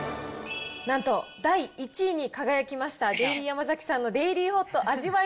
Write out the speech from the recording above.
なんと、第１位に輝きましたデイリーヤマザキさんのデイリーホット味わい